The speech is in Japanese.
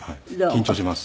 緊張します。